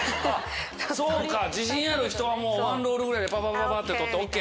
そうか自信ある人はワンロールぐらいでパパパパって撮ってＯＫ。